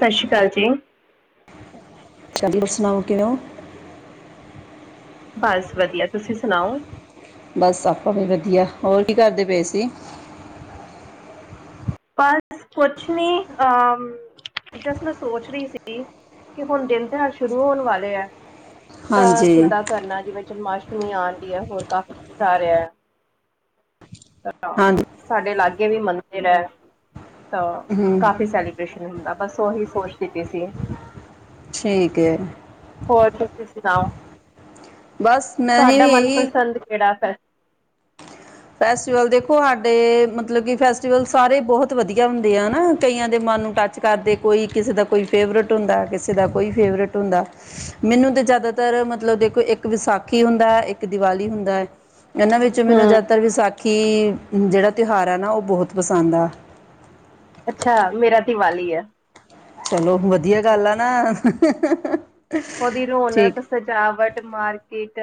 ਸਤਿ ਸ਼੍ਰੀ ਅਕਾਲ ਜੀ। ਚੱਲੋ, ਸੁਣਾਓ ਕਿਵੇਂ ਹੋ? ਬਸ ਵਧੀਆਂ ਤੁਸੀਂ ਸੁਣਾਓ ਬਸ ਆਪਾ ਵਧੀਆ ਹੋਰ ਕੀ ਕਰਦੇ ਪਏ ਸੀ। ਬਸ ਕੁਛ ਨੀ ਅਹ ਜਿਸ ਮੈਂ ਸੋਚ ਰਹੀ ਸੀ। ਕਿ ਹੁਣ ਦਿਨ ਤਿਉਹਾਰ ਸ਼ੁਰੂ ਹੋਣ ਵਾਲੇ ਆ ਤਾਂ ਹਾਂਜੀ ਕਿੱਦਾਂ ਕਰਨਾ ਜਿਵੇਂ ਜਨਮਾਸ਼ਟਮੀ ਆ ਰਹੀ ਹੈ ਹੋਰ ਕਾਫੀ ਕੁਛ ਆ ਰਿਹਾ ਹੈ। ਹਾਂਜੀ ਸਾਡੇ ਲਾਗੇ ਵੀ ਮੰਦਿਰ ਹੈ ਤਾਂ ਹੂੰ ਕਾਫੀ ਸੈਲੀ ਕ੍ਰਿਸ਼ਨ ਹੁੰਦਾ ਬਸ ਉਹੀ ਸੋਚ ਕੀਤੀ ਸੀ। ਠੀਕ ਹੈ। ਹੋਰ ਤੁਸੀਂ ਸੁਣਾਓ ਬਸ ਮੈਂ ਵੀ ਤੁਹਾਡਾ ਇਹੀ ਮਨਪਸੰਦ ਕਿਹੜਾ ਫੈਸ ਫੈਸਟੀਵਲ ਦੇਖੋ ਸਾਡੇ ਮਤਲਬ ਕਿ ਫੈਸਟੀਵਲ ਸਾਰੇ ਬਹੁਤ ਵਧੀਆ ਹੁੰਦੇ ਆ ਹਨ ਨਾ ਕਈਆਂ ਦੇ ਮਨ ਨੂੰ ਟੱਚ ਕਰਦੇ ਕੋਈ ਕਿਸੇ ਦਾ ਕੋਈ ਫੇਵਰਟ ਹੁੰਦਾ ਕਿਸੇ ਦਾ ਕੋਈ ਫੇਵਰਟ ਹੁੰਦਾ। ਮੈਨੂੰ ਤਾਂ ਜ਼ਿਆਦਾਤਰ ਮਤਲਬ ਦੇਖੋ ਇੱਕ ਵਿਸਾਖੀ ਹੁੰਦਾ ਹੈ ਇੱਕ ਦੀਵਾਲੀ ਹੁੰਦਾ ਹੈ। ਇਹਨਾਂ ਵਿੱਚ ਮੈਨੂੰ ਹੂੰ ਜ਼ਿਆਦਾਤਰ ਵਿਸਾਖੀ ਜਿਹੜਾ ਤਿਉਹਾਰ ਆ ਨਾ ਉਹ ਬਹੁਤ ਪਸੰਦ ਆ। ਅੱਛਾ ਮੇਰਾ ਦੀਵਾਲੀ ਆ। ਚਲੋ ਵਧੀਆ ਗੱਲ ਆ ਨਾ। ਉਹਦੀ ਰੌਣਕ ਠੀਕ ਸਜਾਵਟ ਮਾਰਕੀਟ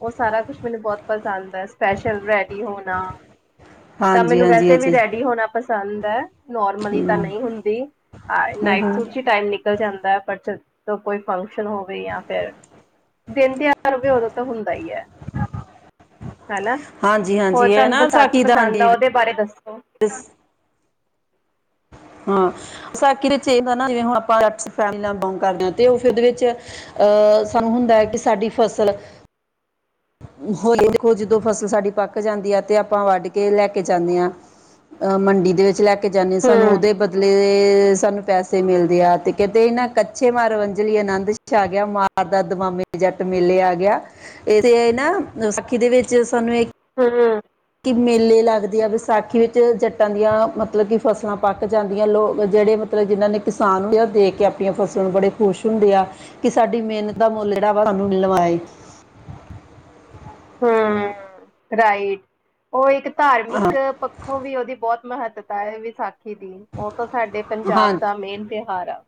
ਉਹ ਸਾਰਾ ਕੁੱਛ ਮੈਨੂੰ ਬਹੁਤ ਪਸੰਦ ਆ ਸਪੈਸ਼ਲ ਰੈਡੀ ਹੋਣਾ। ਤਾਂ ਹਾਂਜੀ ਮੈਨੂੰ ਹਾਂਜੀ ਵੈਸੇ ਇਹ ਵੀ ਚੀਜ਼ ਰੈਡੀ ਹੋਣਾ ਪਸੰਦ ਹੈ। ਨੋਰਮਲੀ ਤਾਂ ਨਹੀਂ ਹੁੰਦੀ। ਹੂੰ ਨਾਈਟ ਹੂੰ ਸੂਟ ਟਾਈਮ ਨਿਕਲ ਜਾਂਦਾ ਪਰ ਜਦ ਕੋਈ ਫੰਕਸ਼ਨ ਫ ਹੋਵੇ ਜਾਂ ਫਿਰ ਦਿਨ ਤਿਉਹਾਰ ਹੋਵੇ ਉਦੋ ਤਾਂ ਹੁੰਦਾ ਹੀ ਹੈ। ਹਨਾ ਹਾਂਜੀ ਹੋਰ ਹਾਂਜੀ ਇਹ ਤੁਹਾਨੂੰ ਵਿਸਾਖੀ ਪਸੰਦ ਆ ਉਹਦੇ ਬਾਰੇ ਦੱਸੋ। ਦਸ [unintelligible] ਹਾਂ ਵਿਸਾਕੀ ਵਿੱਚ ਇਹ ਹ ਜਿਵੇਂ ਹੁ ਆਪਾਂ ਫੈਮਿਲੀ ਬਿਲੋਂਗ ਕਰਦੇ ਹਾਂ ਤੇ ਉਹ ਫਿਰ ਉਹਦੇ ਵਿੱਚ ਅਹ ਸਾਨੂੰ ਹੁੰਦਾ ਹੈ। ਕਿ ਸਾਡੀ ਫ਼ਸਲ ਹੋ ਦੇਖੋ ਜਦੋਂ ਫ਼ਸਲ ਸਾਡੀ ਪੱਕ ਜਾਂਦੀ ਆ ਤੇ ਆਪਾਂ ਵੱਢ ਕੇ ਲੈ ਕੇ ਜਾਂਦੇ ਹਾਂ। ਅਹ ਮੰਡੀ ਦੇ ਵਿੱਚ ਲੈ ਕੇ ਜਾਂਦੇ ਹਾਂ ਸਾਨੂੰ ਹੂੰ ਉਹਦੇ ਬਦਲੇ ਤੇ ਸਾਨੂੰ ਪੈਸੇ ਮਿਲਦੇ ਆ ਤੇ ਕਿੰਤੇ ਇਹਨਾਂ ਕਛੇ ਮਾਰ ਵੰਝਲੀ ਆਨੰਦ ਛ ਆ ਗਿਆ ਮ ਦਾ ਦਮਮੇ ਜੱਟ ਮੇਲੇ ਆ ਗਿਆ ਇਥੇ ਨਾ ਵਿਸਾਖੀ ਦੇ ਵਿੱਚ ਸਾਨੂੰ ਇਹ ਹੂੰ ਕਿ ਮੇਲੇ ਲੱਗਦੇ ਆ ਵਿਸਾਖੀ ਵਿੱਚ ਜੱਟਾਂ ਦੀਆਂ ਮਤਲਬ ਕਿ ਫਸਲਾਂ ਪੱਕ ਜਾਂਦੀਆਂ ਲੋਕ ਜਿਹੜੇ ਮਤਲਬ ਜਿਹਨਾਂ ਨੇ ਕਿਸਾਨ ਦੇਖ ਕੇ ਆਪਣੀਆਂ ਫਸਲਾਂ ਨੂੰ ਬੜੇ ਖੁਸ਼ ਹੁੰਦੇ ਆ ਕਿ ਸਾਡੀ ਮਿਹਨਤ ਦਾ ਮੁੱਲ ਜਿਹੜਾ ਵਾ ਸਾਨੂੰ ਮਿਲਣ ਵਾਲਾ ਹੀ। ਹਾਂ ਰਾਈਟ ਉਹ ਇੱਕ ਹਾਂ ਧਾਰਮਿਕ ਪੱਖੋਂ ਵੀ ਉਹਦੀ ਬਹੁਤ ਮਹੱਤਤਾ ਹੈ ਵੀਖ ਉਹ ਤਾਂ ਸਾਡੇ ਹਾਂ ਪੰਜਾਬ ਦਾ ਮੇਨ ਤਿਉਹਾਰ ਆ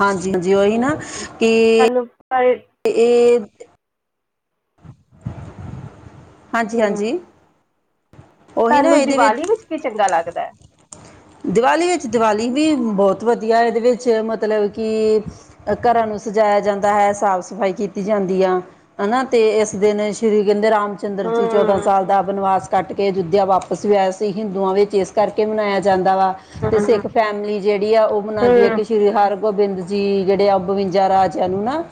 ਹਾਂਜੀ ਹਾਂਜੀ ਉਓਹੀ ਹੂੰ ਨਾ ਕਿ ਤੁਹਾਨੂੰ ਪਰ ਅਤੇ ਇਹ ਹਾਂਜੀ ਹੂੰ ਹਾਂਜੀ ਉਹੀ ਨਾ ਤੁਹਾਨੂੰ ਇਹਦੇ ਦੀਵਾਲੀ ਵਿੱਚ ਕੀ ਚੰਗਾ ਲੱਗਦਾ ਹੈ ਦੀਵਾਲੀ ਵਿੱਚ ਦੀਵਾਲੀ ਵੀ ਬਹੁਤ ਵਧੀਆ ਇਹਦੇ ਵਿੱਚ ਮਤਲਬ ਕਿ ਘਰਾਂ ਨੂੰ ਸਜਾਇਆ ਜਾਂਦਾ ਹੈ ਸਾਫ਼ ਸਫ਼ਾਈ ਕੀਤੀ ਜਾਂਦੀ ਆ ਹਨਾ ਤੇ ਇਸ ਦਿਨ ਸ਼੍ਰੀ ਕਹਿੰਦੇ ਰਾਮ ਰਾਮ ਚੰਦਰ ਜੀ ਚੌਦਾਂ ਹੂੰ ਸਾਲ ਦਾ ਬਨਵਾਸ ਕੱਟ ਕੇ ਅਯੁੋਧਿਆ ਵਾਪਸ ਵੀ ਆਇਆ ਸੀ ਹਿੰਦੂਆਂ ਵਿੱਚ ਇਸ ਕਰਕੇ ਮਨਾਇਆ ਜਾਂਦਾ ਵਾ ਤੇ ਹੂੰ ਸਿੱਖ ਫੈਮਿਲੀ ਜਿਹੜੀ ਆ ਉਹ ਮਨਾਉਂਦੀ ਆ ਹੂੰ ਕਿ ਸ਼੍ਰੀ ਹਰ ਗੋਬਿੰਦ ਜੀ ਜਿਹੜੇ ਆ ਬਵੰਜਾ ਰਾਜਿਆਂ ਨੂੰ ਨਾ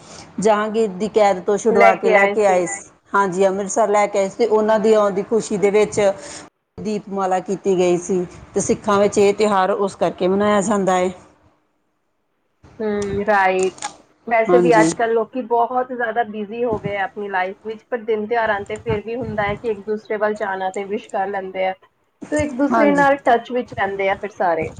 ਜਹਾਂਗੀਰ ਦੀ ਕੈਦ ਤੋਂ ਛੁਡਵਾ ਕੇ ਲੈ ਕੇ ਆਏ ਸ ਹਾਂਜੀ ਅੰਮ੍ਰਿਤਸਰ ਲੈ ਕੇ ਆਏ ਸੀ ਤੇ ਉਹਨਾਂ ਦੀ ਆਉਂਦੀ ਖ਼ੁਸ਼ੀ ਦੇ ਹੂੰ ਵਿੱਚ ਦੀਪਮਾਲਾ ਕੀਤੀ ਗਈ ਸੀ ਅਤੇ ਸਿੱਖਾਂ ਵਿੱਚ ਇਹ ਤਿਉਹਾਰ ਉਸ ਕਰਕੇ ਮਨਾਇਆ ਜਾਂਦਾ ਹੈ ਹੂੰਮ ਰਾਈਟ ਵੈਸੇ ਵੀ ਹਾਂਜੀ ਅੱਜ ਕੱਲ ਲੋਕੀ ਬਹੁਤ ਜ਼ਿਆਦਾ ਬਿਜ਼ੀ ਹੋ ਗਏ ਆਪਣੀ ਲਾਈਫ ਵਿੱਚ ਪਰ ਦਿਨ ਤਿਉਹਾਰਾਂ ਤੇ ਫੇਿਰ ਵੀ ਹੁੰਦਾ ਹੈ ਕਿ ਇੱਕ ਦੂਸਰੇ ਵੱਲ ਜਾਣਾ ਤੇ ਵਿਸ਼ ਕਰ ਲੈਂਦੇ ਆ ਇੱਕ ਦੂਸਰੇ ਹਾਂਜੀ ਨਾਲ ਟੱਚ ਵਿੱਚ ਰਹਿੰਦੇ ਆ ਫਿਰ ਸਾਰੇ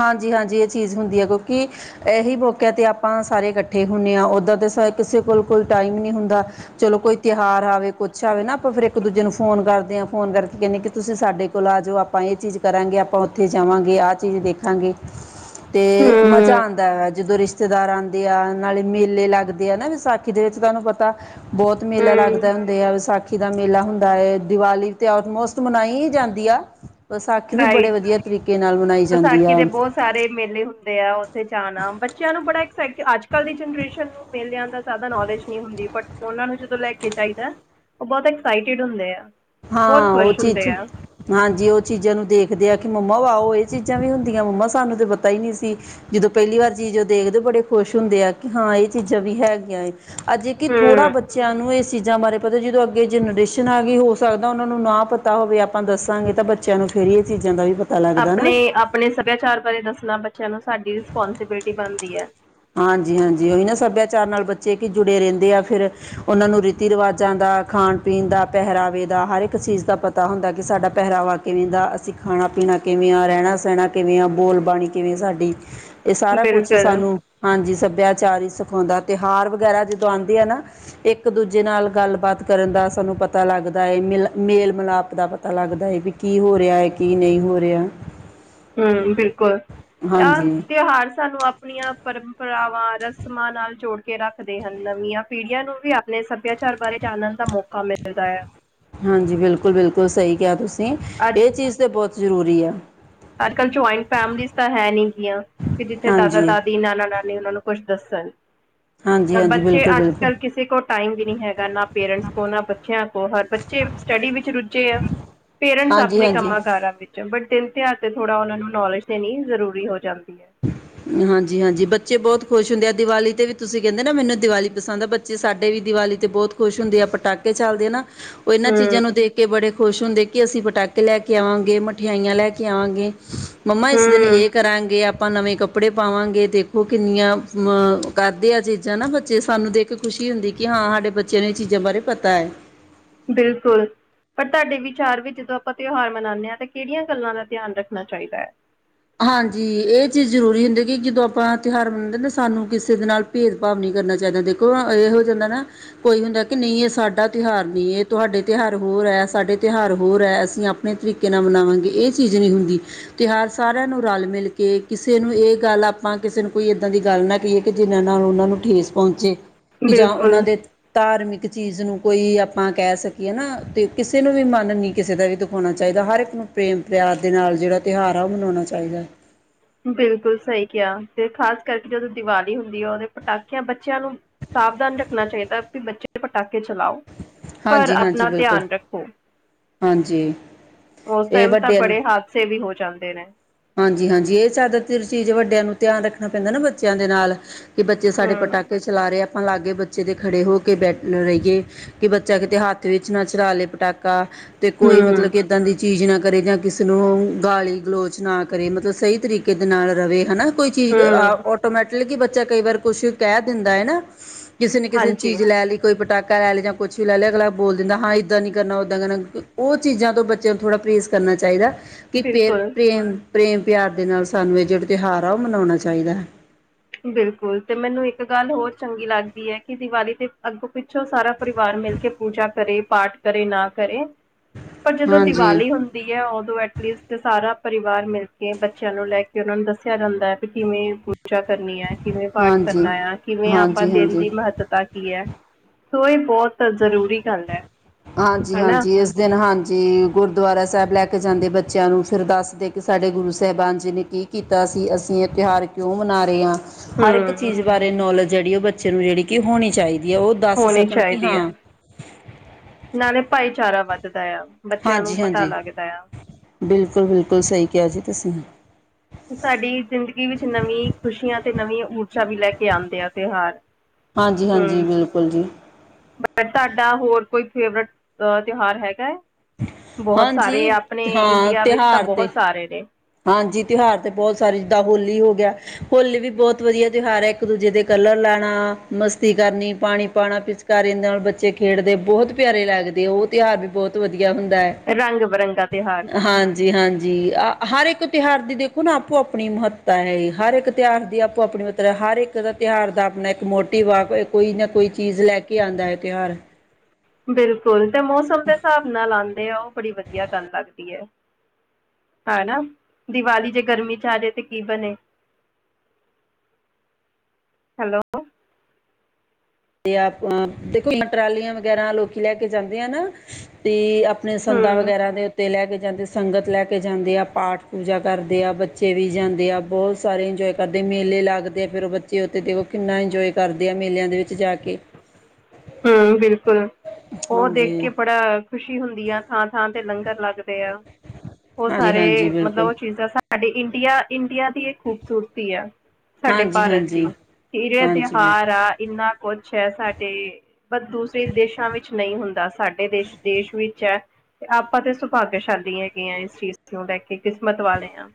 ਹਾਂਜੀ ਹਾਂਜੀ ਇਹ ਚੀਜ਼ ਹੁੰਦੀ ਹੈ ਕਿਉਂਕਿ ਇਹੀ ਮੌਕਿਆ ਤੇ ਆਪਾਂ ਸਾਰੇ ਇਕੱਠੇ ਹੁੰਦੇ ਹਾਂ ਓਦਾਂ ਤੇ ਕਿਸੇ ਕੋਲ ਕੋਈ ਟਾਈਮ ਨਹੀਂ ਹੁੰਦਾ ਚਲੋ ਕੋਈ ਤਿਉਾਰ ਆਵੇ ਕੁਛ ਆਵੇ ਨਾ ਆਪਾਂ ਫਿਰ ਇੱਕ ਦੂਜੇ ਨੂੰ ਫੋਨ ਕਰਦੇ ਹਾਂ ਫੋਨ ਕਰਕੇ ਕਹਿੰਦੇ ਕਿ ਤੁਸੀਂ ਸਾਡੇ ਕੋਲ ਆ ਜਾਓ ਆਪਾਂ ਇਹ ਚੀਜ਼ ਕਰਾਂਗੇ ਆਪਾਂ ਉੱਥੇ ਜਾਵਾਂਗੇ ਆਹ ਚੀਜ਼ ਦੇਖਾਂਗੇ ਅਤੇ ਮਜ਼ਾ ਹੂੰ। ਆਂਦਾ ਜਦੋਂ ਰਿਸ਼ਤੇ ਰਿਸ਼ਤੇਦਾਰ ਆਉਂਦੇ ਆ ਨਾਲੇ ਮੇਲੇ ਲੱਗਦੇ ਆ ਨਾ ਵਿਸਾਖੀ ਦੇ ਵਿੱਚ ਤੁਹਾਨੂੰ ਪਤਾ ਬਹੁਤ ਮੇਲਾ ਹੂੰ, ਲੱਗਦਾ ਹੁੰਦੇ ਆ ਵਿਸਾਖੀ ਦਾ ਮੇਲਾ ਹੁੰਦਾ ਦੀਵਾਲੀ ਤੇ ਆਲਮੋਸਟ ਮਨਾਈ ਹੀ ਜਾਂਦੀ ਆ ਵਿਸਾਖੀ ਵੀ ਬੜੇ ਰਾਈਟ। ਵਧੀਆ ਤਰੀਕੇ ਨਾਲ ਬਨਾਈ ਵਿਸਾਖੀ ਦੇ ਬਹੁਤ ਸਾਰੇ ਮੇਲੇ ਹੁੰਦੇ ਆ ਉੱਥੇ ਜਾਣਾ ਬੱਚਿਆਂ ਨੂੰ ਬੜਾ ਅੱਜ ਕੱਲ੍ਹ ਦੀ ਜਨਰੇਸ਼ਨ ਨੂੰ ਮੇਲਿਆਂ ਦਾ ਜ਼ਿਆਦਾ ਨੌਲੇਜ ਨਹੀਂ ਹੁੰਦੀ ਬਟ ਉਹਨਾਂ ਨੂੰ ਜਦੋਂ ਲੈ ਕੇ ਚਾਹੀਦਾ ਉਹ ਬਹੁਤ ਐਕਸਾਈਟਿਡ ਹੁੰਦੇ ਆ ਬਹੁਤ ਹਾਂ ਉਹ ਖੁਸ਼ ਚੀਜ਼ ਹੁੰਦੇ ਚ ਆ। ਹਾਂਜੀ ਉਹ ਚੀਜ਼ਾਂ ਨੂੰ ਦੇਖਦੇ ਆ ਕਿ ਮੰਮਾ ਵਾਹੋ ਇਹ ਚੀਜ਼ਾਂ ਵੀ ਹੁੰਦੀਆਂ ਮੰਮਾ ਸਾਨੂੰ ਤਾਂ ਪਤਾ ਹੀ ਨਹੀਂ ਸੀ ਜਦੋਂ ਪਹਿਲੀ ਵਾਰ ਚੀਜ਼ ਉਹ ਦੇਖਦੇ ਬੜੇ ਖੁਸ਼ ਹੁੰਦੇ ਆ ਕਿ ਹਾਂ ਇਹ ਚੀਜ਼ਾਂ ਵੀ ਹੈਗੀਆਂ ਅੱਜੇ ਕਿ ਥੋੜਾ ਹੂੰ। ਬੱਚਿਆਂ ਨੂੰ ਇਹ ਚੀਜ਼ਾਂ ਬਾਰੇ ਪਤਾ ਜਦੋਂ ਅੱਗੇ ਜਨਰੇਸ਼ਨ ਆ ਗਈ ਹੋ ਸਕਦਾ ਉਹਨਾਂ ਨੂੰ ਨਾ ਪਤਾ ਹੋਵੇ ਆਪਾਂ ਦੱਸਾਂਗੇ ਤਾਂ ਬੱਚਿਆਂ ਨੂੰ ਫੇਰ ਇਹ ਚੀਜ਼ਾਂ ਦਾ ਵੀ ਪਤਾ ਲੱਗਦਾ ਆਪਣੇ ਨਾ ਆਪਣੇ ਸਭਿਆਚਾਰ ਬਾਰੇ ਦੱਸਣਾ ਬੱਚਿਆਂ ਨੂੰ ਸਾਡੀ ਰਿਸਪੋਂਸੀਬਿਲਿਟੀ ਬਣਦੀ ਹੈ ਹਾਂਜੀ ਹਾਂਜੀ ਉਹੀ ਨਾ ਸੱਭਿਆਚਾਰ ਨਾਲ ਬੱਚੇ ਕਿ ਜੁੜੇ ਰਹਿੰਦੇ ਆ ਫਿਰ ਉਹਨਾਂ ਨੂੰ ਰੀਤੀ ਰਿਵਾਜਾਂ ਦਾ ਖਾਣ ਪੀਣ ਦਾ ਪਹਿਰਾਵੇ ਦਾ ਹਰ ਇੱਕ ਚੀਜ਼ ਦਾ ਪਤਾ ਪਤਾ ਹੁੰਦਾ ਕਿ ਸਾਡਾ ਪਹਿਰਾਵਾ ਕਿਵੇਂ ਦਾ ਅਸੀਂ ਖਾਣਾ ਪੀਣਾ ਕਿਵੇਂ ਆ ਰਹਿਣਾ ਸਹਿਣਾ ਕਿਵੇਂ ਆ ਬੋਲਬਣੀ ਕਿਵੇਂ ਸਾਡੀ ਇਹ ਸਾਰਾ ਕੁਛ ਬਿਲਕੁਲ ਸਾਨੂੰ ਹਾਂਜੀ ਸੱਭਿਆਚਾਰ ਹੀ ਸਿਖਾਉਂਦਾ ਤਿਉਹਾਰ ਵਗੈਰਾ ਜਦੋਂ ਆਉਂਦੇ ਆ ਨਾ ਇੱਕ ਦੂਜੇ ਨਾਲ ਗੱਲਬਾਤ ਕਰਨ ਦਾ ਸਾਨੂੰ ਪਤਾ ਲੱਗਦਾ ਹੈ ਮਿਲ ਮੇਲ ਮਿਲਾਪ ਦਾ ਪਤਾ ਲੱਗਦਾ ਹੈ ਵੀ ਕੀ ਹੋ ਰਿਹਾ ਹੈ ਕੀ ਨਹੀਂ ਹੋ ਰਿਹਾ ਹਮ ਬਿਲਕੁਲ ਆਹ ਹਾਂਜੀ ਤਿਉਹਾਰ ਸਾਨੂੰ ਆਪਣੀਆਂ ਪਰੰਪਰਾਵਾਂ ਰਸਮਾਂ ਨਾਲ ਜੋੜ ਰੱਖਦੇ ਹਨ ਨਵੀਆਂ ਪੀੜੀਆਂ ਨੂੰ ਵੀ ਆਪਣੇ ਸੱਭਿਆਚਾਰ ਬਾਰੇ ਜਾਣਨ ਦਾ ਮੌਕਾ ਮਿਲਦਾ ਹੈ ਹਾਂਜੀ ਬਿਲਕੁਲ ਬਿਲਕੁਲ ਸਹੀ ਕਿਹਾ ਤੁਸੀਂ ਅੱਜ ਇਹ ਚੀਜ਼ ਤਾਂ ਬਹੁਤ ਜ਼ਰੂਰੀ ਆ ਅੱਜ ਕੱਲ੍ਹ ਜੁਆਇੰਟ ਫੈਮਲੀਜ਼ ਤਾਂ ਹੈ ਨੀ ਗੀਆਂ ਕਿ ਜਿੱਥੇ ਦਾਦਾ ਹਾਂਜੀ ਦਾਦੀ ਨਾਨਾ ਨਾਨੀ ਉਹਨਾਂ ਨੂੰ ਕੁੱਛ ਦੱਸਣ ਹਾਂਜੀ ਤਾਂ ਹਾਂਜੀ ਬੱਚੇ ਬਿਲਕੁਲ ਅੱਜ ਬਿਲਕੁਲ ਕੱਲ੍ਹ ਕਿਸੇ ਕੋ ਟਾਈਮ ਵੀ ਨਹੀਂ ਹੈਗਾ ਨਾ ਪੇਰੈਂਟਸ ਕੋ ਨਾ ਬੱਚਿਆਂ ਕੋ ਹਰ ਬੱਚੇ ਸਟੱਡੀ ਵਿੱਚ ਰੁੱਝੇ ਆ ਪੇਰੈਂਟਸ ਹਾਂਜੀ ਆਪਣੇ ਹਾਂਜੀ ਕੰਮਾਂ ਕਾਰਾਂ ਵਿੱਚ ਬਟਨ ਿਆਾਰ ਤੇ ਥੋੜਾ ਉਹਨਾ ਨੂੰ ਨੌਲੇਜ ਦੇਣੀ ਜ਼ਰੂਰੀ ਹੋ ਜਾਂਦੀ ਹੈ ਹ ਹਾਂਜੀ ਹਾਂਜੀ ਬੱਚੇ ਬਹੁਤ ਖੁਸ਼ ਹੁੰਦੇ ਆ ਦਿਵਾਲੀ 'ਤੇ ਵੀ ਤੁਸੀਂ ਕਹਿੰਦੇ ਨਾ ਮੈਨੂੰ ਦਿਵਾਲੀ ਪਸੰਦ ਆ ਬੱਚੇ ਸਾਡੇ ਵੀ ਦੀਵਾਲੀ 'ਤੇ ਬਹੁਤ ਖੁਸ਼ ਹੁੰਦੇ ਆ ਪਟਾਕੇ ਚੱਲਦੇ ਆ ਨਾ ਉਹ ਇਹਨਾਂ ਚੀਜ਼ਾਂ ਨੂੰ ਹੂੰ, ਦੇਖ ਕੇ ਬੜੇ ਖੁਸ਼ ਹੁੰਦੇ ਕਿ ਅਸੀਂ ਪਟਾਕੇ ਲੈ ਕੇ ਆਵਾਂਗੇ ਮਠਿਆਈਆਂ ਲੈ ਕੇ ਆਵਾਂਗੇ ਮੰਮਾ ਇਸ ਦਿਨ ਹੂੰ, ਇਹ ਕਰਾਂਗੇ ਆਪਾਂ ਆਪਾਂ ਨਵੇਂ ਕੱਪੜੇ ਪਾਵਾਂਗੇ ਦੇਖੋ ਕਿੰਨੀਆਂ ਅ ਕਰਦੇ ਆ ਚੀਜ਼ਾਂ ਨਾ ਬੱਚੇ ਸਾਨੂੰ ਦੇਖ ਖੁਸ਼ੀ ਹੁੰਦੀ ਕਿ ਹਾਂ ਸਾਡੇ ਬੱਚਿਆਂ ਨੂੰ ਇਹ ਚੀਜ਼ਾਂ ਬਾਰੇ ਪਤਾ ਹੈ ਬਿਲਕੁਲ ਪਰ ਤੁਹਾਡੇ ਵਿਚਾਰ ਵੀ ਜਦੋਂ ਆਪਾਂ ਤਿਉਹਾਰ ਮਨਾਉਂਦੇ ਹਾਂ ਤਾਂ ਕਿਹੜੀਆਂ ਗੱਲਾਂ ਦਾ ਧਿਆਨ ਰੱਖਣਾ ਚਾਹੀਦਾ ਹੈ ਹਾਂਜੀ ਇਹ ਚੀਜ਼ ਜ਼ਰੂਰੀ ਹੁੰਦੀ ਕਿ ਜਦੋਂ ਆਪਾਂ ਤਿਉਹਾਰ ਮਨਾਉਂਦੇ ਨਾ ਸਾਨੂੰ ਕਿਸੇ ਦੇ ਨਾਲ ਭੇਦ ਭਾਵ ਨਹੀਂ ਕਰਨਾ ਚਾਹੀਦਾ ਦੇਖੋ ਇਹ ਹੋ ਜਾਂਦਾ ਨਾ ਕੋਈ ਹੁੰਦਾ ਕਿ ਨਹੀਂ ਇਹ ਸਾਡਾ ਤਿਉਹਾਰ ਨਹੀਂ ਇਹ ਤੁਹਾਡੇ ਤਿਉਹਾਰ ਹੋਰ ਹੈ ਸਾਡੇ ਤਿਉਹਾਰ ਹੋਰ ਹੈ ਅਸੀਂ ਆਪਣੇ ਤਰੀਕੇ ਨਾਲ ਮਨਾਵਾਂਗੇ ਇਹ ਚੀਜ਼ ਨਹੀਂ ਹੁੰਦੀ ਤਿਉਹਾਰ ਸਾਰਿਆਂ ਨੂੰ ਰਲ ਮਿਲ ਕੇ ਕਿਸੇ ਨੂੰ ਇਹ ਗੱਲ ਆਪਾਂ ਕਿਸੇ ਨੂੰ ਕੋਈ ਇੱਦਾਂ ਦੀ ਗੱਲ ਨਾ ਕਹੀਏ ਕਿ ਜਿਨ੍ਹਾਂ ਨਾਲ ਉਹਨਾਂ ਨੂੰ ਠੇਸ ਪਹੁੰਚੇ ਕਿ ਜਾਂ ਉਹਨਾਂ ਬਿਲਕੁਲ, ਦੇ ਧਾਰਮਿਕ ਚੀਜ਼ ਨੂੰ ਕੋਈ ਆਪਾਂ ਕਹਿ ਸਕੀਏ ਨਾ ਤੇ ਕਿਸੇ ਨੂੰ ਵੀ ਮਨ ਨੀ ਕਿਸੇ ਦਾ ਵੀ ਹੋਣਾ ਚਾਹੀਦਾ ਹਰ ਇੱਕ ਨੂੰ ਪ੍ਰੇਮ ਪਿਆਰ ਦੇ ਨਾਲ ਜਿਹੜਾ ਤਿਉਹਾਰ ਆ ਉਹ ਮਨਾਉਣਾ ਚਾਹੀਦਾ ਬਿਲਕੁਲ ਸਹੀ ਕਿਹਾ ਤੇ ਖਾਸ ਕਰਕੇ ਜਦੋਂ ਦੀਵਾਲੀ ਹੁੰਦੀ ਆ ਉਹਦੇ ਪਟਾਕਿਆਂ ਬੱਚਿਆਂ ਨੂੰ ਸਾਵਧਾਨ ਰੱਖਣਾ ਚਾਹੀਦਾ ਵੀ ਬੱਚੇ ਪਟਾਕੇ ਚਲਾਓ ਪਰ ਹਾਂਜੀ-ਹਾਂਜੀ ਆਪਣਾ ਬਿਲਕੁਲ ਧਿਆਨ ਰੱਖੋ ਹਾਂਜੀ ਉਸ ਇਹ ਟਾਈਮ ਤਾਂ ਵੱਡਿਆਂ ਬੜੇ ਹਾਦਸੇ ਵੀ ਹੋ ਜਾਂਦੇ ਨੇ ਹਾਂਜੀ ਹਾਂਜੀ ਇਹ ਜ਼ਿਆਦਾਤਰ ਚੀਜ਼ ਵੱਡਿਆਂ ਨੂੰ ਧਿਆਨ ਰੱਖਣਾ ਪੈਂਦਾ ਨਾ ਬੱਚਿਆਂ ਦੇ ਨਾਲ ਕਿ ਬੱਚੇ ਹੂੰ ਸਾਡੇ ਪਟਾਕੇ ਚਲਾ ਰਹੇ ਆਪਾਂ ਲਾਗੇ ਬੱਚੇ ਦੇਤੇ ਖੜ੍ਹੇ ਹੋ ਕੇ ਬੈਠ ਰਹੀਏ ਕਿ ਬੱਚਾ ਕਿਤੇ ਹੱਥ ਵਿੱਚ ਨਾ ਚਰਾਾ ਲਏ ਪਟਾਕਾ ਅਤੇ ਕੋਈ ਹੂੰ ਮਤਲਬ ਕਿ ਇੱਦਾਂ ਦੀ ਚੀਜ਼ ਨਾ ਕਰੇ ਜਾਂ ਕਿਸੇ ਨੂੰ ਗਾਲੀ ਗਲੋਚ ਨਾ ਕਰੇ ਮਤਲਬ ਸਹੀ ਤਰੀਕੇ ਦੇ ਨਾਲ ਰਹੇ ਹਨਾ ਕੋਈ ਚੀਜ਼ ਹੂੰ ਆਟੋਮੈਟ ਬੱਚਾ ਕਈ ਵਾਰ ਕੁਛ ਕਹਿ ਦਿੰਦਾ ਹੈ ਨਾ ਕਿਸੇ ਨਾ ਕਿਸੇ ਹਾਂਜੀ ਚੀਜ਼ ਲੈ ਲਈ ਕੋਈ ਪਟਾਕਾ ਲੈ ਲੈ ਜਾਂ ਕੁਛ ਵੀ ਲੈ ਲ ਅਗਲੱਗ ਬੋਲ ਦਿੰ ਹਾਂ ੱਦਾਂ ਨੀ ਕਰਨਾ ੱਦਾਂ ਕਰਨਾ ਉਹ ਚੀਜ਼ਾਂ ਤੋਂ ਬੱਚਿਆਂ ਨੂੰ ਥੋੜਾ ਪ੍ਰੇਸ ਕਰਨਾ ਚਾਹੀਦਾ ਕਿੇ ਬਿਲਕੁਲ ਪ੍ਰੇਮ ਪ੍ਰੇਮ ਪਿਆਰ ਦੇ ਨਾਲ ਸਾਨੂੰ ਇਹ ਜਿਹੜਾ ਤਿਉਹਾਰ ਆ ਉਹ ਮਨਾਉਣਾ ਚਾਹੀਦਾ ਹੈ ਬਿਲਕੁਲ ਤੇ ਮੈਨੂੰ ਇੱਕ ਗੱਲ ਹੋਰ ਚੰਗੀ ਲੱਗਦੀ ਹੈ ਕਿ ਦੀਵਾਲੀ ਦੇ ਅੱਗੋਂ ਪਿੱਛੋਂ ਸਾਰਾ ਪਰਿਵਾਰ ਮਿਲ ਕੇ ਪੂਜਾ ਕਰੇ ਪਾਠ ਕਰੇ ਨਾ ਕਰੇ ਹ ਪਰ ਜਦੋਂ ਦੀਵਾਲੀ ਹੁੰਦੀ ਉਦੋਂ ਐਟਲੀਸਟ ਸਾਰਾ ਪਰਿਵਾਰ ਮਿਲ ਕੇ ਬੱਚਿਆਂ ਨੂੰ ਲੈ ਕੇ ਉਹਨਾਂ ਨੂੰ ਦੱਸਿਆ ਜਾਂਦਾ ਹੈ ਵੀ ਕਿਵੇਂ ਪੂਜਾ ਕਰਨੀ ਹੈ ਕਿਵੇਂ ਪਾਠ ਹਾਂਜੀ ਕਰਨਾ ਆ ਕਿਵੇਂ ਆਪਾਂ ਹਾਂਜੀ ਦਿਨ ਹਾਂਜੀ ਦੀ ਮਹੱਤਤਾ ਕੀ ਹੈ ਸੋ ਇਹ ਬਹੁਤ ਜ਼ਰੂਰੀ ਗੱਲ ਹੈ ਹਾਂਜੀ ਹਨਾ ਹਾਂਜੀ ਇਸ ਦਿਨ ਹਾਂਜੀ ਗੁਰਦੁਆਰਾ ਸਾਹਿਬ ਲੈ ਕੇ ਜਾਂਦੇ ਬੱਚਿਆਂ ਨੂੰ ਫਿਰ ਦੱਸਦੇ ਕਿ ਸਾਡੇ ਗੁਰੂ ਸਾਹਿਬਾਨ ਜਿ ਨੇ ਕਿ ਕੀਤਾ ਸੀ ਅਸੀਂ ਇਹ ਤਿਉਹਾਰ ਕਿਉਂ ਮਨਾ ਰਹੇ ਹਾਂ ਹਰ ਇੱਕ ਹੂੰ ਚੀਜ਼ ਬਾਰੇ ਨੌਲੇਜ ਜਿਹੜੀ ਉਹ ਬੱਚੇ ਨੂੰ ਜਿਹੜੀ ਕਿ ਹੋਣੀ ਚਾਹੀਦੀ ਐ, ਉਹ ਦੱਸ ਸਕਣ ਕਿ ਦੀ ਹਾਂ ਆ ਨਾਲੇ ਭਾਈਚਾਰਾ ਵੱਧਦਾ ਆ, ਬੱਚਿਆਂ ਨੂੰ ਹਾਂਜੀ ਪਤਾ ਹਾਂਜੀ ਲੱਗਦਾ ਆ। ਬਿਲਕੁਲ ਬਿਲਕੁਲ, ਸਹੀ ਕਿਹਾ ਜੀ ਤੁਸੀਂ। ਸਾਡੀ ਜ਼ਿੰਦਗੀ ਵਿੱਚ ਨਵੀਂ ਖੁਸ਼ੀਆਂ ਤੇ ਨਵੀਂ ਊਰਜਾ ਵੀ ਲੈ ਕੇ ਆਂਦੇ ਆ ਤਿਉਹਾਰ। ਹਾਂਜੀ, ਹਾਂਜੀ, ਹਮ ਬਿਲਕੁਲ ਜੀ। ਤੁਹਾਡਾ ਹੋਰ ਕੋਈ ਫੇਵਰੇਟ ਤਿਉਹਾਰ ਹੈਗਾ ਐ? ਬੋਹਤ ਸਾਰੇ, ਹਾਂਜੀ ਆਪਣੇ ਹਾਂ ਇੰਡੀਆ ਵਿੱਚ ਤਾਂ ਤਿਉਹਾਰ ਤੇ ਬੋਹਤ ਸਾਰੇ ਨੇਂ। ਹਾਂਜੀ ਤਿਉਹਾਰ ਤੇ ਬੋਤ ਸਾਰੇ ਜਿੱਦਾਂ ਹੋਲੀ ਹੋ ਗਿਆ। ਹੋਲੀ ਵੀ ਬੋਤ ਵਧੀਆ ਤਿਉਹਾਰ ਐ, ਇਕ ਦੂਜੇ ਦੇ ਕਲਰ ਲਾਣਾ, ਮਸਤੀ ਕਰਨੀ, ਪਾਣੀ ਪਾਣਾ, ਪਿਚ ਕਾਰੇ ਨਾਲ ਬੱਚੇ ਖੇਡਦੇ ਬੋਹਤ ਪਿਆਰੇ ਲੱਗਦੇ। ਓ ਤਿਉਹਾਰ ਵੀ ਬੋਤ ਵਧੀਆ ਹੁੰਦਾ ਐ। ਰੰਗ-ਬਿਰੰਗਾ ਤਿਉਹਾਰ। ਹਾਂਜੀ, ਹਾਂਜੀ ਆ। ਹਰ ਏਕ ਤਿਉਹਾਰ ਦੀ ਦੇਖੋ ਨਾਂ ਆਪੋ-ਆਪਣੀ ਮਹੱਤਤਾ ਏ, ਹਰ ਏਕ ਤਿਉਹਾਰ ਦੀ ਆਪੋ-ਆਪਣੀ ਮਹੱਤਤਾ ਹਰ ਏਕ ਦਾ ਤਿਉਹਾਰ ਦਾ ਆਪਣਾ ਇੱਕ ਮੋਟਿਵ ਆ। ਕੋਈ ਨਾਂ ਕੋਈ ਚੀਜ਼ ਲੈ ਕੇ ਆਂਦਾ ਏ ਤਿਉਹਾਰ। ਬਿਲਕੁਲ, ਤੇ ਮੌਸਮ ਦੇ ਸਾਬ ਨਾਲ ਆਂਦੇ ਆ, ਓ ਬੜੀ ਵਧੀਆ ਗੱਲ ਲੱਗਦੀ ਐ। ਹਨਾਂ। ਦੀਵਾਲੀ ਜੇ ਗਰਮੀ ਚ ਆਜੇ ਤੇ ਕੀ ਬਣੇ? ਹੈਲੋ ਤੇ ਆਪਾਂ, ਦੇਖੋ ਟਰਾਲੀਆਂ ਵਗੈਰਾ ਲੋਕੀ ਲੈ ਕੇ ਜਾਂਦੇ ਆ ਨਾਂ ਤੇ ਆਪ ਪਣੇ ਸੰਦਾਂ ਹਮ ਵਗੈਰਾ ਦੇ ਤੇ ਲੈ ਕੇ ਜਾਂਦੇ ਸੰਗਤ ਲੈ ਕੇ ਜਾਂਦੇ ਆ, ਪਾਠ-ਪੂਜਾ ਕਰਦੇ ਆ ਬੱਚੇ ਵੀ ਜਾਂਦੇ ਆ, ਬੋਤ ਸਾਰੇ ਇੰਜੋਏ ਕਰਦੇ ਮੇਲੇ ਲੱਗਦੇ ਆ ਫਿਰ ਉਹ ਬੱਚੇ ਉੱਥੇ ਦੇਖੋ ਕਿੰਨਾ ਇੰਜੋਏ ਕਰਦੇ ਆ, ਮੇਲਿਆਂ ਦੇ ਵਿੱਚ ਜਾ ਕੇ। ਹਂ ਬਿਲਕੁਲ, ਉਹ ਹਾਂਜੀ ਦੇਖ ਕੇ ਬੜਾ, ਖੁਸ਼ੀ ਹੁੰਦੀ ਆ ਥਾਂਥਾਂ ਤੇ ਲੰਗਰ ਲੱਗ [unintelligible] ਉਹ ਹਾਂਜੀ ਹਾਂਜੀ ਸਾਰੇ ਮਤਲਬ ਬਿਲਕੁਲ ਉਹ ਚੀਜ਼ਾਂ ਸਾ ਸਾਡੇ ਇੰਡੀਆ, ਇੰਡੀਆ ਦੀ ਇਹ ਖੂਬਸੂਰਤੀ ਆ। ਸਾਡੇ ਹਾਂਜੀ ਭਾਰਤ ਹਾਂਜੀ ਦੀ, ਇਰੈ ਹਾਂਜੀ ਬਿਲਕੁਲ ਤਿਉਹਾਰ ਆ ਇੰਨਾ ਕੁਛ ਐ ਸਾਡੇ ਪਰ ਦੂਸਰੇ ਦੇਸ਼ਾਂ ਵਿੱਚ ਨਈਂ ਹੁੰਦਾ, ਸਾਡੇ ਦੇਸ਼, ਦੇਸ਼ ਵਿੱਚ ਐ। ਤੇ ਆਪਾਂ ਤੇ ਸੁਭਾਗੇਸ਼ਾਲੀ ਹੈਗੇ ਆਂ ਇਸ ਚੀਜ਼ ਨੂੰ ਲੈ ਕੇ, ਕਿਸਮਤ ਵਾਲੇ ਆਂ।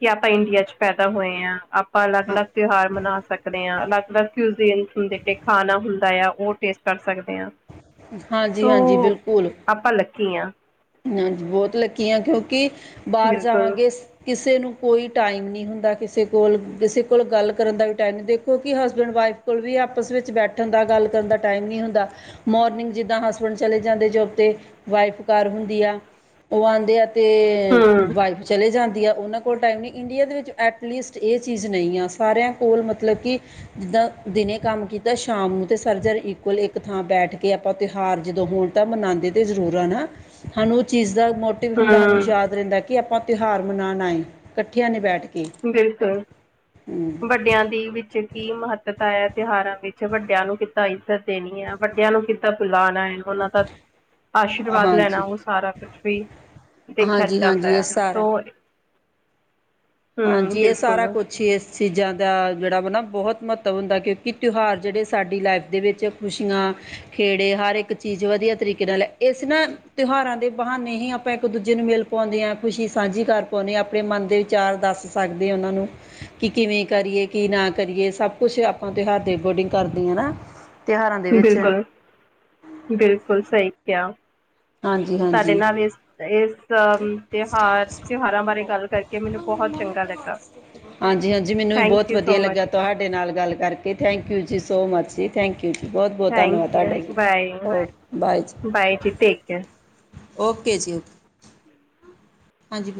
ਕੀ ਆਪਾਂ ਇੰਡੀਆ ਚ ਪੈਦਾ ਹੋਏ ਆਂ। ਆਪ ਆਪਾਂ ਹਾਂ ਅਲੱਗ-ਅਲੱਗ ਤਿਉਹਾਰ ਮਨਾਂ ਸਕਨੇ ਹਾਂ। ਅਲੱਗ-ਅਲੱਗ ਕੂਜੀ਼ਨ ਹੁੰਦੇ ਨੇਂ, ਖਾਣਾ ਹੁੰਦਾ ਆ ਓ ਟੇਸਟ ਕਰ ਸਕਦੇ ਹਾਂ। ਹਾਂਜੀ ਸੋ ਹਾਂਜੀ ਆਪਾਂ ਲੱਕੀ ਆਂ। ਹਂ, ਬੋਤ ਲਕੀ ਆਂ, ਕਿਉਂਕਿ ਬਾਰ ਬਿਲਕੁਲ ਜਾਵਾਂਗੇ ਕਿਸੇ ਨੂੰ ਕੋਈ ਟਾਈਮ ਨੀਂ ਹੁੰਦਾ। ਕਿਸੇ ਕੋਲ ਕਿਸੇ ਕੋਲ ਗੱਲ ਕਰਨ ਦਾ ਵੀ ਟਾਈਮ ਨਈਂ ਦੇਖੋ ਕਿ ਹਸਬੈਂਡ ਵਾਈਫ ਕੋਲ ਵੀ ਆਪਸ ਵਿੱਚ ਬੈਠਣ ਦਾ ਗੱਲ ਕਰਨ ਦਾ ਟਾਈਮ ਨੀਂ ਹੁੰਦਾ। ਮੋਰਨਿੰਗ ਜਿੱਦਾਂ ਹਸਬੈਂਡ ਚਲੇ ਜਾਂਦੇ ਜੋਬ ਤੇ ਵਾਈਫ ਘਰ ਹੁੰ ਦੀ ਆ। ਓ ਆਦੇ ਆ ਤੇ ਵਾਈਫ ਚਲੇ ਜਾਂਦੀ ਆ ਔਨਾਂ ਕੋਲ ਟਾਈਮ ਨੀਂ। ਇੰਡੀਆ ਦੇ ਵਿੱਚ ਐਟਲੀਸਟ ਏਹ ਚੀਜ਼ ਨਈਂ ਆ, ਸਾਰੇਆਂ ਕੋਲ ਮਤਲਬ ਕਿ ਜਿੱਦਾਂ ਦਿਨੇ ਕੰਮ ਕੀਤਾ ਸ਼ਾਮ ਨੂੰ ਤੇ ਸਰਜਰ ਇਕੁਅਲ ਏਕ ਥਾਂ ਬੈਠ ਕੇ ਆਪਾਂ ਤਿਉਹਾਰ ਜਦੋਂ ਹੋਣ ਤਾਂ ਮਨਾਂਦੇ ਤੇ ਜ਼ਰੂਰ ਆ ਨਾਂ। ਸਾਨੂੰ ਓ ਚੀਜ਼ ਦਾ ਮੋਟਿਵ ਹੁੰਦਾ ਸਾਨੂੰ ਹੂੰ-ਹੂੰ ਯਾਦ ਰਹਿੰਦਾ ਕਿ ਆਪਾਂ ਤਿਉਹਾਰ ਮਨਾਣ ਆਏ ਕੱਠਿਆਂ ਨੇਂ ਬੈਠ ਕੇ ਬਿਲਕੁਲ। ਹਮ ਵੱਡਿਆਂ ਦੀ ਵਿੱਚ ਕੀ ਮਹੱਤਤਾ ਏ, ਤਿਉਹਾਰਾਂ ਵਿੱਚ ਵੱਡਿਆਂ ਨੂੰ ਕਿੱਦਾਂ ਇੱਜਤ ਦੇਣੀ ਆ, ਵੱਡਿਆਂ ਨੂੰ ਕਿੱਦਾਂ ਬੁਲਾਣਾ ਐ। ਓਨਾਂ ਦਾ ਆਸ਼ੀਰਵਾਦ ਹਾਂਜੀ ਲੈਣਾ ਓ ਸਾਰਾ ਕੁਛ ਵੀ। ਦੇਖਿਆ ਹਾਂਜੀ ਜਾਂਦਾ ਹਾਂਜੀ ਐ ਇਹ ਸਾਰਾ ਸੋ ਹਮ ਹਾਂਜੀ ਏ ਸਾਰਾ ਬਿਲਕੁਲ ਕੁਛ। ਛੇ ਏਸ ਚੀਜ਼ਾਂ ਦਾ ਜੇਹੜਾ ਵਾ ਨਾਂ ਬੋਹਤ ਮਹੱਤਵ ਹੁੰਦਾ ਕਿਉਂਕਿ ਤਿਉਹਾਰ ਜੇੜੇ ਸਾਡੀ ਲਾਈਫ ਦੇ ਵਿੱਚ ਖੁਸ਼ੀਆਂ ਖੇੜੇ ਹਰ ਏਕ ਚੀਜ਼ ਵਧੀਆ ਤਰੀਕੇ ਨਾਲ ਏਸ ਨਾਂ ਤਿਉਹਾਰਾਂ ਦੇ ਬਹਾਨੇ ਹੀ ਆ ਆਪਾਂ ਇੱਕ ਦੂਜੇ ਨੂੰ ਮਿਲ ਪਾਉਂਦੇ ਆਂ, ਖੁਸ਼ੀ ਸਾਂਝੀ ਕਰ ਪਾਉਂਨੇ ਆਂ, ਅਪਣੇ ਮਨ ਦੇ ਵਿਚਾਰ ਦੱਸ ਸਕਦੇ ਓਨਾਂ ਨੂੰ। ਕਿ ਕਿਵੇਂ ਕਰੀਏ ਕਿ ਨਾਂ ਕਰੀਏ। ਸਭ ਕੁਛ ਆਪਾਂ ਤਿਉਹਾਰ ਦੇ ਅਕੋਡਿੰਗ ਕਰਦੇ ਹਾਂ ਨਾਂ। ਬਿਲਕੁਲ, ਬਿਲਕੁਲ ਸਹੀ ਕਿਆ। ਹਾਂਜੀ ਤਾਡੇ ਹਾਂਜੀ ਨਾਲ ਏਸ, ਏਸ ਤਿਉਹਾਰ ਤਿਉਹਾਰਾਂ ਬਾਰੇ ਗੱਲ ਕਰਕੇ ਕੇ ਮੈਨੂੰ ਬਹੋਤ ਚੰਗਾ ਲੱਗਾ। ਹਾਂਜੀ ਹਾਂਜੀ ਮੈਨੂੰ ਵੀ ਥੈਂਕ ਬੋਤ ਯੂ ਵਧੀਆ ਸੋ ਮਚ ਲੱਗਾ ਤੁਹਾਡੇ ਨਾਲ ਗੱਲ ਕਰਕੇ ਥੈਂਕ ਯੂ ਜੀ ਸੋ ਮਚ ਜੀ। ਥੈਂਕ ਯੂ ਜੀ ਬੋਤ ਬੋਤ ਧੰਨਵਾਦ ਥੈਂਕ ਯੂ ਤਾਡਾ ਜੀ। ਬਾਏ ਬਾਏ ਜੀ। ਬਾਏ ਜੀ ਟੇਕ ਕੇਅਰ ਓਕੇ ਜੀ। ਹਾਂਜੀ